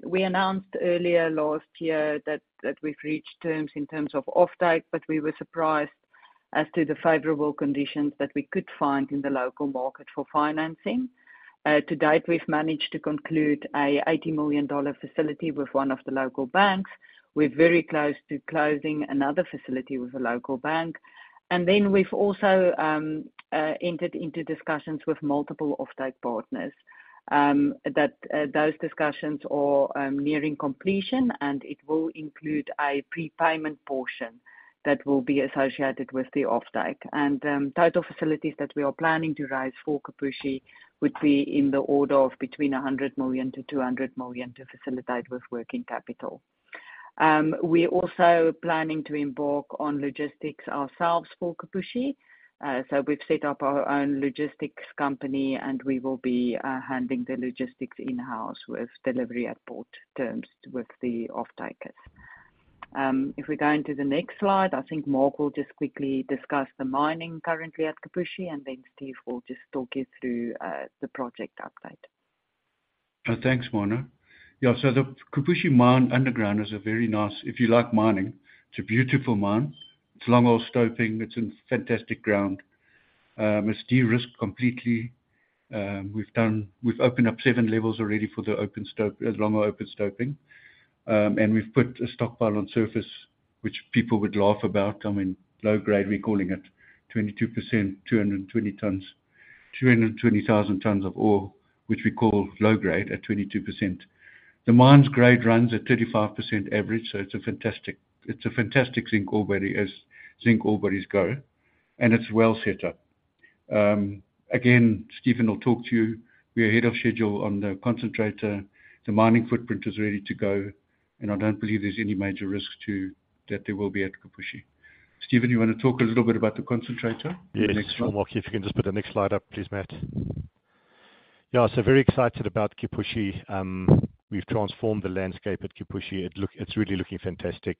We announced earlier last year that we've reached terms in terms of offtake. But we were surprised as to the favorable conditions that we could find in the local market for financing. To date, we've managed to conclude an $80 million facility with one of the local banks. We're very close to closing another facility with a local bank. And then we've also entered into discussions with multiple offtake partners. Those discussions are nearing completion. And it will include a prepayment portion that will be associated with the offtake. And total facilities that we are planning to raise for Kipushi would be in the order of between $100 million-$200 million to facilitate with working capital. We're also planning to embark on logistics ourselves for Kipushi. So we've set up our own logistics company. We will be handling the logistics in-house with delivery at port terms with the offtakers. If we go into the next slide, I think Mark will just quickly discuss the mining currently at Kipushi. Then Steve will just talk you through the project update. Thanks, Marna. Yeah. So the Kipushi mine underground is a very nice if you like mining, it's a beautiful mine. It's long-hole stoping. It's in fantastic ground. It's de-risked completely. We've opened up seven levels already for the long-hole open stoping. And we've put a stockpile on surface, which people would laugh about. I mean, low grade, we're calling it 22%, 220,000 tons of ore, which we call low grade at 22%. The mine's grade runs at 35% average. So it's a fantastic zinc ore body as zinc ore bodies go. And it's well set up. Again, Steven will talk to you. We are ahead of schedule on the concentrator. The mining footprint is ready to go. And I don't believe there's any major risk that there will be at Kipushi. Steven, you want to talk a little bit about the concentrator? Yes. I'll Mark if you can just put the next slide up, please, Matt. Yeah. So very excited about Kipushi. We've transformed the landscape at Kipushi. It's really looking fantastic.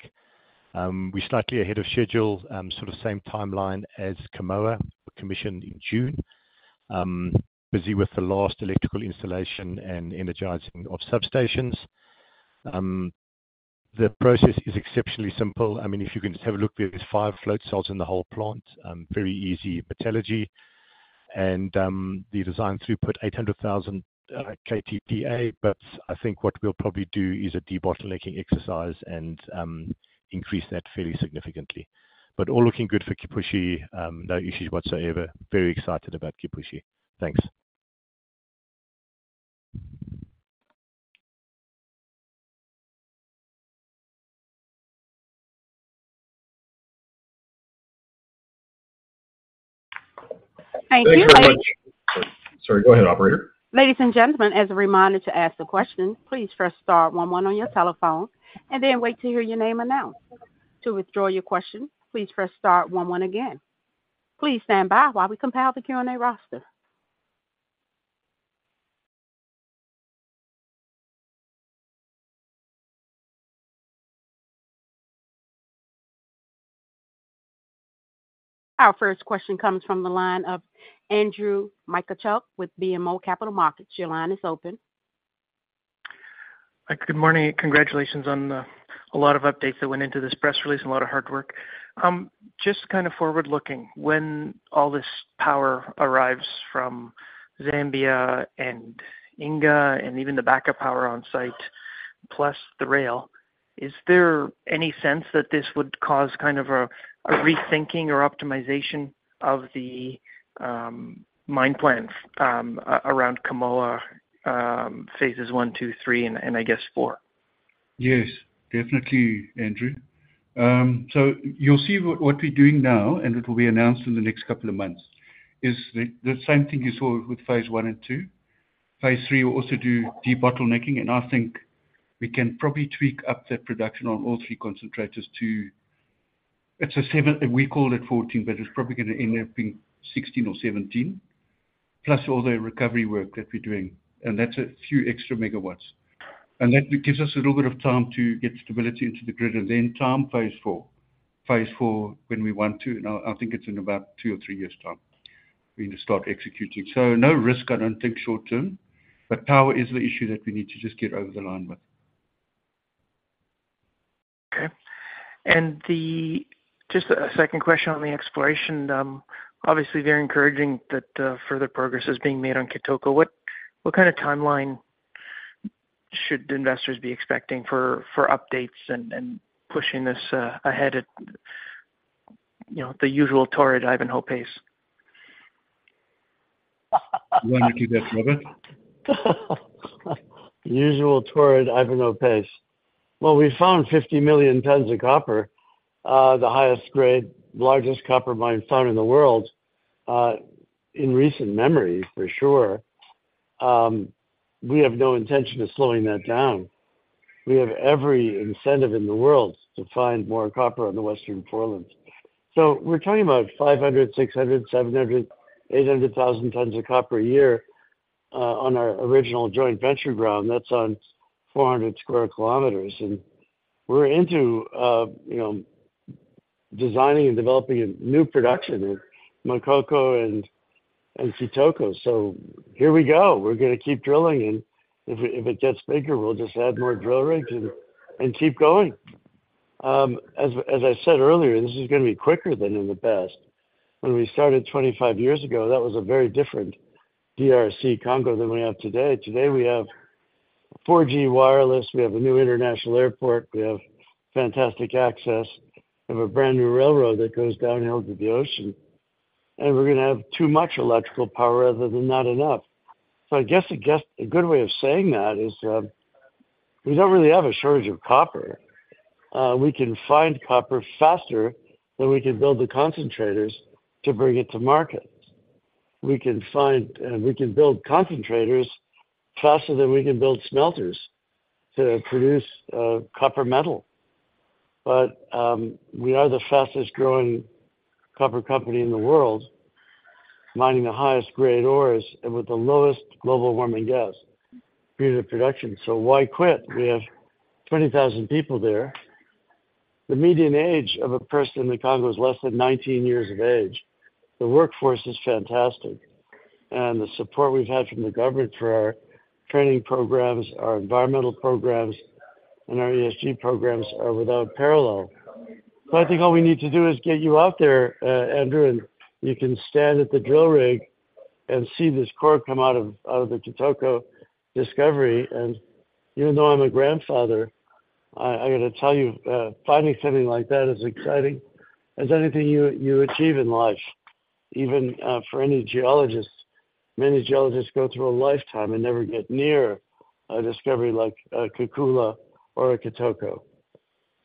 We're slightly ahead of schedule, sort of same timeline as Kamoa, commissioned in June, busy with the last electrical installation and energizing of substations. The process is exceptionally simple. I mean, if you can just have a look, there's five float cells in the whole plant, very easy metallurgy. And the design throughput, 800,000 KTPA. But I think what we'll probably do is a debottlenecking exercise and increase that fairly significantly. But all looking good for Kipushi. No issues whatsoever. Very excited about Kipushi. Thanks. Thank you. Sorry. Go ahead, operator. Ladies and gentlemen, as a reminder to ask the question, please press star 11 on your telephone and then wait to hear your name announced. To withdraw your question, please press star 11 again. Please stand by while we compile the Q&A roster. Our first question comes from the line of Andrew Mikitchook with BMO Capital Markets. Your line is open. Good morning. Congratulations on a lot of updates that went into this press release and a lot of hard work. Just kind of forward-looking, when all this power arrives from Zambia and Inga and even the backup power on-site, plus the rail, is there any sense that this would cause kind of a rethinking or optimization of the mine plan around Kamoa phases one, two, three, and I guess four? Yes. Definitely, Andrew. So you'll see what we're doing now, and it will be announced in the next couple of months, is the same thing you saw with phase one and two. Phase three, we'll also do debottlenecking. And I think we can probably tweak up that production on all three concentrators to. It's a 7 we call it 14, but it's probably going to end up being 16 or 17, plus all the recovery work that we're doing. And that's a few extra megawatts. And that gives us a little bit of time to get stability into the grid. And then time, phase four. Phase four when we want to. And I think it's in about 2 or 3 years' time we need to start executing. So no risk, I don't think, short term. But power is the issue that we need to just get over the line with. Okay. And just a second question on the exploration. Obviously, very encouraging that further progress is being made on Kitoko. What kind of timeline should investors be expecting for updates and pushing this ahead at the usual torrid Ivanhoe pace? You want me to do that, Robert? Usual torrid Ivanhoe pace. Well, we found 50 million tons of copper, the highest grade, largest copper mine found in the world in recent memory, for sure. We have no intention of slowing that down. We have every incentive in the world to find more copper on the Western Forelands. So we're talking about 500, 600, 700, 800 thousand tons of copper a year on our original joint venture ground. That's on 400 sq km. And we're into designing and developing new production at Makoko and Kitoko. So here we go. We're going to keep drilling. And if it gets bigger, we'll just add more drill rigs and keep going. As I said earlier, this is going to be quicker than in the past. When we started 25 years ago, that was a very different DRC Congo than we have today. Today, we have 4G wireless. We have a new international airport. We have fantastic access. We have a brand new railroad that goes downhill to the ocean. We're going to have too much electrical power rather than not enough. I guess a good way of saying that is we don't really have a shortage of copper. We can find copper faster than we can build the concentrators to bring it to market. We can build concentrators faster than we can build smelters to produce copper metal. We are the fastest-growing copper company in the world, mining the highest-grade ores and with the lowest global warming gas per unit of production. Why quit? We have 20,000 people there. The median age of a person in the Congo is less than 19 years of age. The workforce is fantastic. The support we've had from the government for our training programs, our environmental programs, and our ESG programs are without parallel. So I think all we need to do is get you out there, Andrew. And you can stand at the drill rig and see this core come out of the Kitoko discovery. And even though I'm a grandfather, I got to tell you, finding something like that is exciting as anything you achieve in life, even for any geologist. Many geologists go through a lifetime and never get near a discovery like Kakula or a Kitoko.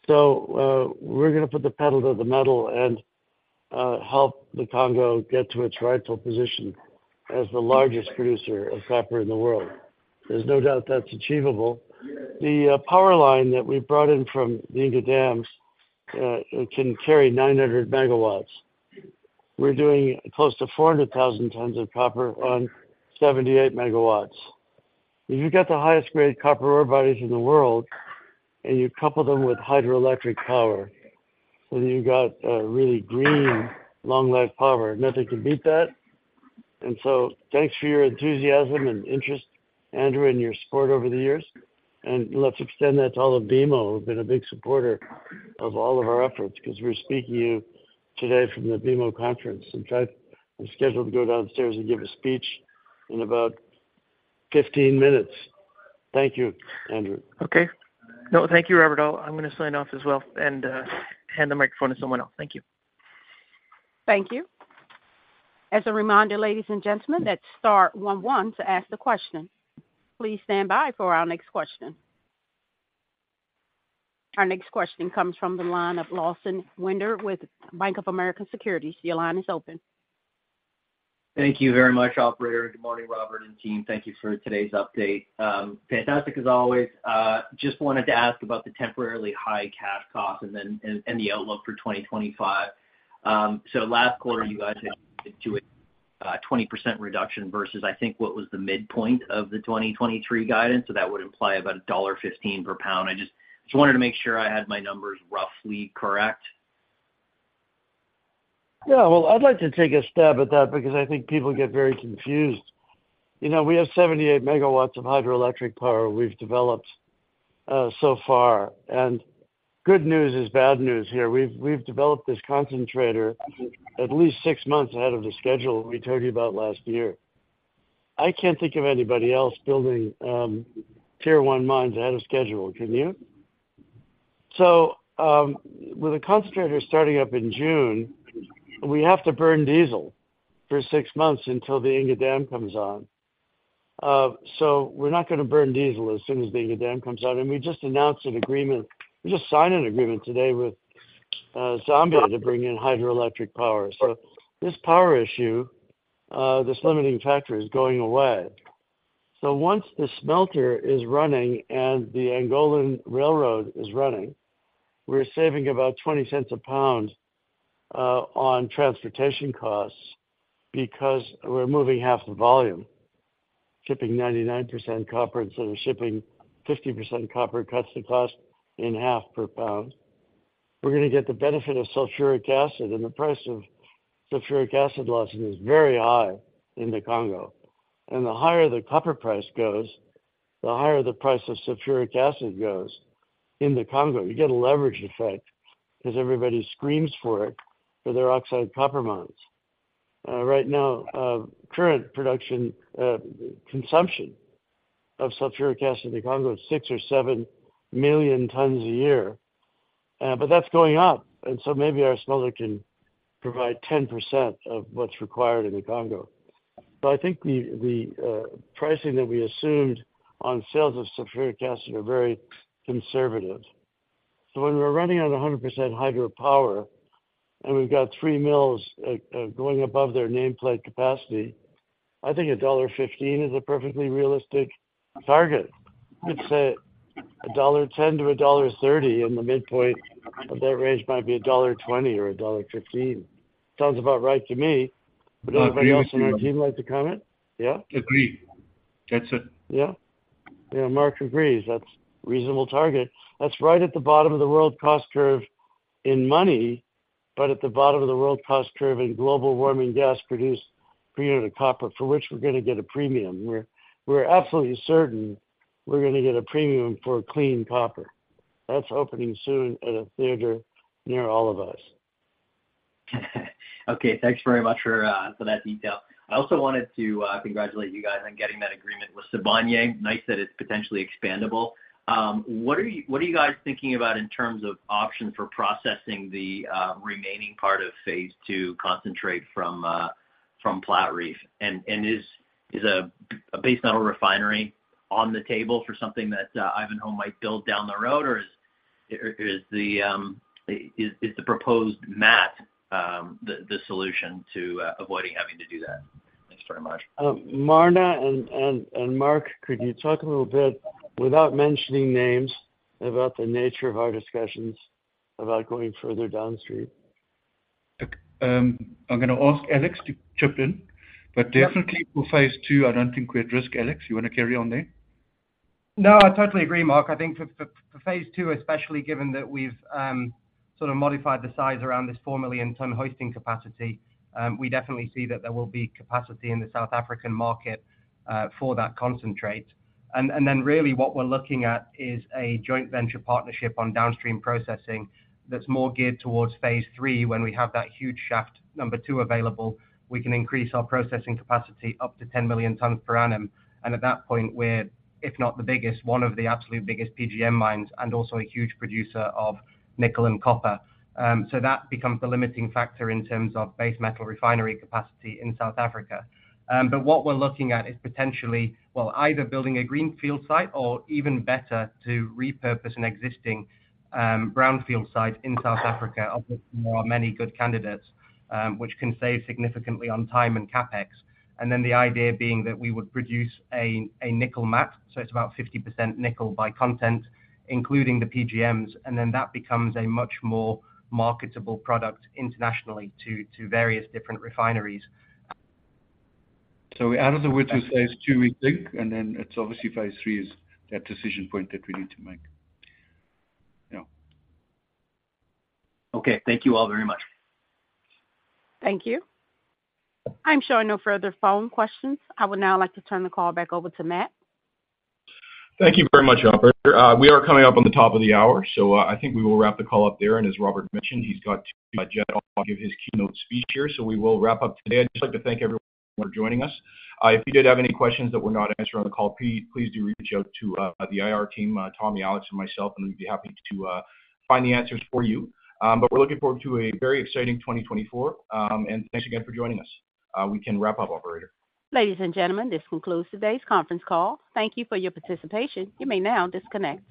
So we're going to put the pedal to the metal and help the Congo get to its rightful position as the largest producer of copper in the world. There's no doubt that's achievable. The power line that we brought in from the Inga dams can carry 900 megawatts. We're doing close to 400,000 tons of copper on 78 MW. If you've got the highest-grade copper ore bodies in the world and you couple them with hydroelectric power, then you've got really green long-life power. Nothing can beat that. And so thanks for your enthusiasm and interest, Andrew, and your support over the years. And let's extend that to all of BMO. We've been a big supporter of all of our efforts because we're speaking to you today from the BMO conference. In fact, I'm scheduled to go downstairs and give a speech in about 15 minutes. Thank you, Andrew. Okay. No, thank you, Robert. I'm going to sign off as well and hand the microphone to someone else. Thank you. Thank you. As a reminder, ladies and gentlemen, that's star 11 to ask the question. Please stand by for our next question. Our next question comes from the line of Lawson Winder with Bank of America Securities. Your line is open. Thank you very much, operator. Good morning, Robert and team. Thank you for today's update. Fantastic as always. Just wanted to ask about the temporarily high cash costs and the outlook for 2025. Last quarter, you guys had 20% reduction versus, I think, what was the midpoint of the 2023 guidance. That would imply about $1.15 per pound. I just wanted to make sure I had my numbers roughly correct. Yeah. Well, I'd like to take a stab at that because I think people get very confused. We have 78 megawatts of hydroelectric power we've developed so far. And good news is bad news here. We've developed this concentrator at least six months ahead of the schedule we told you about last year. I can't think of anybody else building tier one mines ahead of schedule. Can you? So with a concentrator starting up in June, we have to burn diesel for six months until the Inga dam comes on. So we're not going to burn diesel as soon as the Inga dam comes on. And we just announced an agreement we just signed an agreement today with Zambia to bring in hydroelectric power. So this power issue, this limiting factor, is going away. So once the smelter is running and the Angolan railroad is running, we're saving about $0.20 per pound on transportation costs because we're moving half the volume, shipping 99% copper instead of shipping 50% copper. It cuts the cost in half per pound. We're going to get the benefit of sulfuric acid. The price of sulfuric acid leasing is very high in the Congo. The higher the copper price goes, the higher the price of sulfuric acid goes in the Congo. You get a leverage effect because everybody screams for it for their oxide copper mines. Right now, current consumption of sulfuric acid in the Congo is 6-7 million tons a year. But that's going up. So maybe our smelter can provide 10% of what's required in the Congo. So I think the pricing that we assumed on sales of sulfuric acid are very conservative. So when we're running on 100% hydropower and we've got three mills going above their nameplate capacity, I think $1.15 is a perfectly realistic target. I'd say $1.10-$1.30. And the midpoint of that range might be $1.20 or $1.15. Sounds about right to me. Would anybody else on our team like to comment? Yeah? Agreed. That's it. Yeah. Yeah. Mark agrees. That's a reasonable target. That's right at the bottom of the world cost curve in money, but at the bottom of the world cost curve in global warming gas produced per unit of copper, for which we're going to get a premium. We're absolutely certain we're going to get a premium for clean copper. That's opening soon at a theater near all of us. Okay. Thanks very much for that detail. I also wanted to congratulate you guys on getting that agreement with Sibanye. Nice that it's potentially expandable. What are you guys thinking about in terms of options for processing the remaining part of phase two concentrate from Platreef? And is a base metal refinery on the table for something that Ivanhoe might build down the road? Or is the proposed matte the solution to avoiding having to do that? Thanks very much. Marna and Mark, could you talk a little bit without mentioning names about the nature of our discussions about going further downstream? I'm going to ask Alex to chip in. But definitely for phase two, I don't think we'd risk, Alex. You want to carry on there? No, I totally agree, Mark. I think for phase two, especially given that we've sort of modified the size around this 4 million ton hosting capacity, we definitely see that there will be capacity in the South African market for that concentrate. And then really, what we're looking at is a joint venture partnership on downstream processing that's more geared towards phase three. When we have that huge shaft number two available, we can increase our processing capacity up to 10 million tons per annum. And at that point, we're, if not the biggest, one of the absolute biggest PGM mines and also a huge producer of nickel and copper. So that becomes the limiting factor in terms of base metal refinery capacity in South Africa. But what we're looking at is potentially, well, either building a greenfield site or, even better, to repurpose an existing brownfield site in South Africa, of which there are many good candidates, which can save significantly on time and CapEx. And then the idea being that we would produce a nickel matte. So it's about 50% nickel by content, including the PGMs. And then that becomes a much more marketable product internationally to various different refineries. Out of the woods with phase two, we think. Then it's obviously phase three is that decision point that we need to make. Yeah. Okay. Thank you all very much. Thank you. I'm sure no further follow-up questions. I would now like to turn the call back over to Matt. Thank you very much, Operator. We are coming up on the top of the hour. So I think we will wrap the call up there. As Robert mentioned, he's got to jet off to give his keynote speech here. So we will wrap up today. I'd just like to thank everyone for joining us. If you did have any questions that were not answered on the call, please do reach out to the IR team, Matt, Alex, and myself. We'd be happy to find the answers for you. We're looking forward to a very exciting 2024. Thanks again for joining us. We can wrap up, Operator. Ladies and gentlemen, this concludes today's conference call. Thank you for your participation. You may now disconnect.